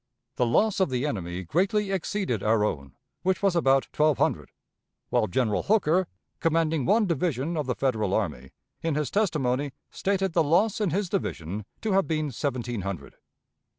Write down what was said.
The loss of the enemy greatly exceeded our own, which was about twelve hundred; while General Hooker, commanding one division of the Federal army, in his testimony stated the loss in his division to have been seventeen hundred.